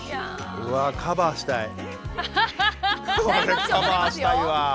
これカバーしたいわぁ。